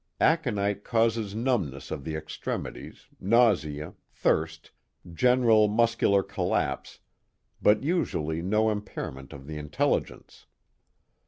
Aconite causes numbness of the extremities, nausea, thirst, general muscular collapse, but usually no impairment of the intelligence.